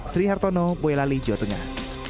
sri hartono boyolali jawa tengah